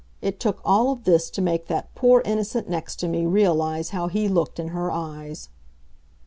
it took all of this to make that poor innocent next to me realize how he looked in her eyes.